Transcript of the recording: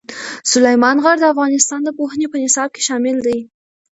سلیمان غر د افغانستان د پوهنې په نصاب کې شامل دی.